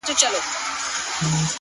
o څه د اضدادو مجموعه یې د بلا لوري؛